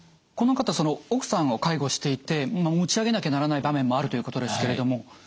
この方奥さんを介護していて持ち上げなきゃならない場面もあるということですけれども。